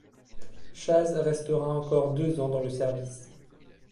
Chase restera encore deux ans dans le service.